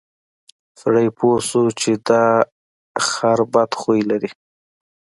سړي پوه شو چې دا خر بد خوی لري.